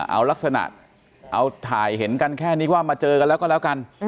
เอาลักษณะเอาถ่ายเห็นกันแค่นี้ว่ามาเจอกันแล้วก็แล้วกัน